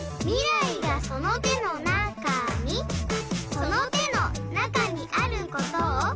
「その手の中にあることを」